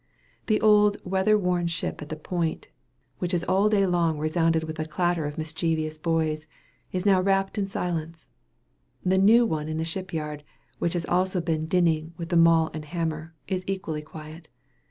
The old weather worn ship at the Point, which has all day long resounded with the clatter of mischievous boys, is now wrapped in silence. The new one in the ship yard, which has also been dinning with the maul and hammer, is equally quiet.